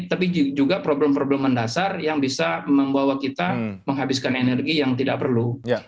tapi juga problem problem mendasar yang bisa membawa kita menghabiskan energi yang tidak perlu